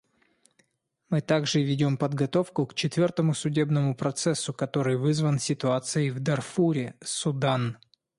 Мы также ведем подготовку к четвертому судебному процессу, который вызван ситуацией в Дарфуре, Судан.